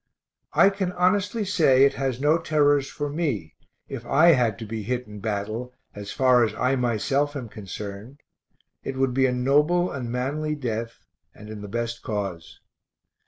I can honestly say it has no terrors for me, if I had to be hit in battle, as far as I myself am concerned. It would be a noble and manly death and in the best cause.